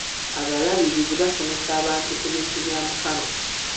Abalabirizi basomesa abantu ku bintu bya Mukama.